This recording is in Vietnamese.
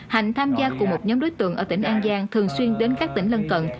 hành tham gia cùng một nhóm đối tượng ở tỉnh an giang thường xuyên đến các tỉnh lân cận